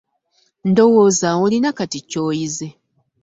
Ndowooza olina kati ky'oyize.